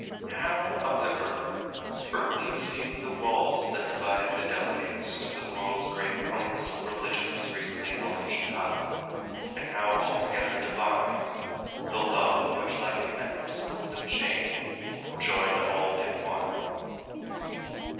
How of the earth earthy seemed the walls that divided the delegates to the world's great Congress of Religions, recently held in Chicago, and how altogether divine The love which like an endless golden chain Joined all in one.